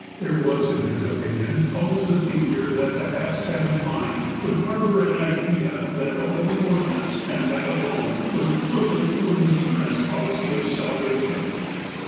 There was, in his opinion, always the danger that the half savage mind would har bour an idea that the holy ordinance, and that alone, was equivalent to an insurance policy of salvation.